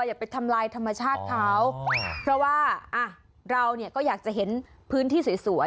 อย่าไปทำลายธรรมชาติเขาเพราะว่าอ่ะเราเนี่ยก็อยากจะเห็นพื้นที่สวย